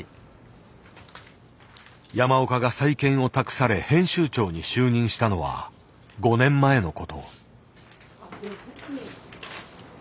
山岡が再建を託され編集長に就任したのは５年前のこと。